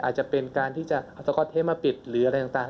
อาจจะเป็นการที่จะเอาสก๊อตเทปมาปิดหรืออะไรต่าง